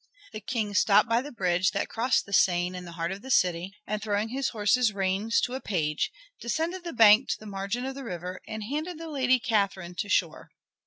The King stopped by the bridge that crossed the Seine in the heart of the city, and throwing his horse's reins to a page, descended the bank to the margin of the river, and handed the Lady Catherine to shore.